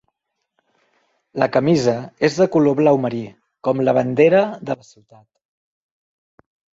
La camisa és de color blau marí, com la bandera de la ciutat.